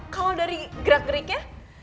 kalau dari gerak geriknya